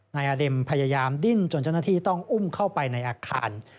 นายอเด็มพยายามดิ้นจนเจ้าหน้าที่ต้องอุ้มเข้าไปในอาคาร